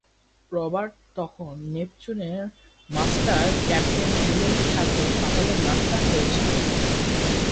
Roberts তখন নেপচুনের master captain হিলের সাথে সকালের নাস্তা করছিলেন।